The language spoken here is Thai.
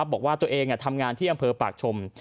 บอกว่าตัวเองทำงานที่อำเภอปากชม